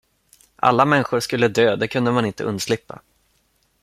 Alla människor skulle dö det kunde man inte undslippa.